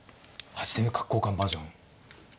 ８手目角交換バージョン。